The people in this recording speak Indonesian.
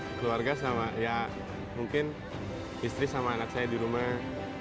keluarga sama ya mungkin istri sama anak saya di rumah